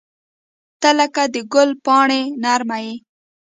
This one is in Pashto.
• ته لکه د ګل پاڼه نرمه یې.